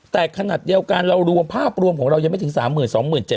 แต่ขนาดเดียวกันภาพรวมของเรายังไม่ถึง๓๐๐๐๐๒๗๘๗๖คน